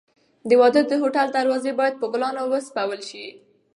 د واده د هوټل دروازې باید په ګلانو وپسولل شي.